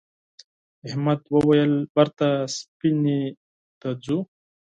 احمد وویل بېرته سفینې ته ځو.